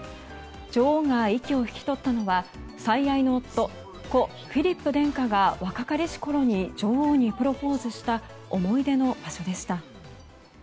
女王が息を引き取ったのは最愛の夫・故フィリップ殿下が若かりしころに女王にプロポーズした思い出の場所でした。